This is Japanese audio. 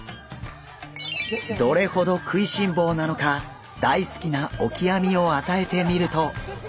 どれほど食いしん坊なのか大好きなオキアミを与えてみると。